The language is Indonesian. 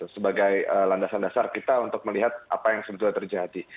sebagai landasan dasar kita untuk melihat apa yang sebetulnya terjadi